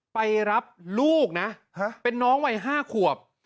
ไปรับลูกนะเป็นน้องวัย๕ขวบ